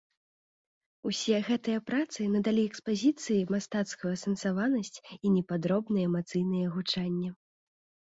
Усе гэтыя працы надалі экспазіцыі мастацкую асэнсаванасць і непадробнае эмацыйнае гучанне.